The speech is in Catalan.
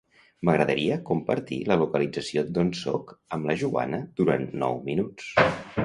M'agradaria compartir la localització d'on soc amb la Joana durant nou minuts.